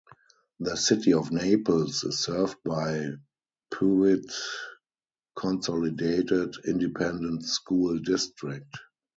The City of Naples is served by Pewitt Consolidated Independent School District.